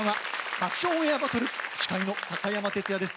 「爆笑オンエアバトル」司会の高山哲哉です。